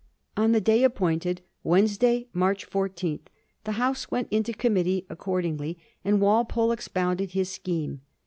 On the day appointed, Wednesday, March 14, the House went into committee accordingly, and Wal pole expoimded his scheme.